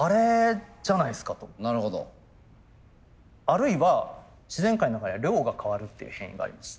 あるいは自然界の中では量が変わるっていう変異があります。